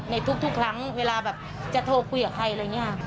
ในทุกครั้งเวลาแบบจะโทรคุยกับใครอะไรอย่างนี้